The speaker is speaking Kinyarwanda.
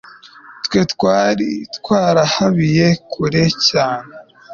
twe twari twarahabiye kure cyane